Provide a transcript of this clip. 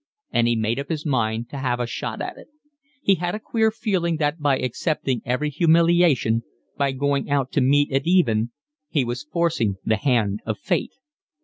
and he made up his mind to have a shot at it. He had a queer feeling that by accepting every humiliation, by going out to meet it even, he was forcing the hand of fate.